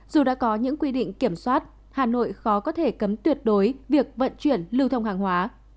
dù đã có những quy định kiểm soát hà nội khó có thể cấm tuyệt đối việc vận chuyển lưu thông hàng hóa